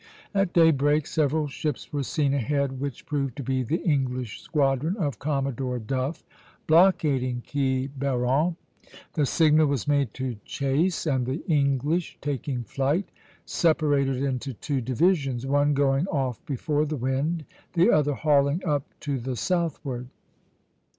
At daybreak several ships were seen ahead, which proved to be the English squadron of Commodore Duff, blockading Quiberon. The signal was made to chase; and the English, taking flight, separated into two divisions, one going off before the wind, the other hauling up to the southward.